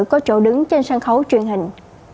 có chỗ đứng trên sân khấu truyền hình